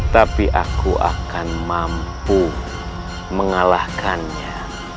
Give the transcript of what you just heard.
tapi aku akan mampu mengalahkannya